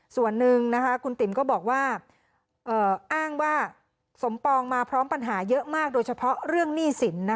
ส่วนหนึ่งคุณติ๋มก็บอกว่าอ้างว่าสมปองมาพร้อมปัญหาเยอะมากโดยเฉพาะเรื่องหนี้สิน